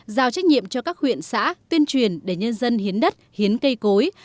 giao trách nhiệm cho các huyện xã tuyên truyền để nhân dân hiến đất hiến cây cối